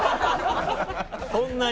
そんなに。